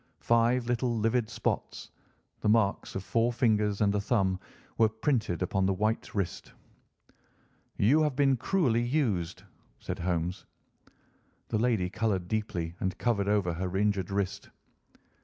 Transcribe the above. Five little livid spots, the marks of four fingers and a thumb, were printed upon the white wrist. "You have been cruelly used," said Holmes. The lady coloured deeply and covered over her injured wrist.